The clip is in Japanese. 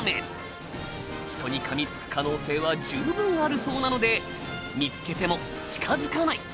人に噛みつく可能性は十分あるそうなので見つけても近づかない。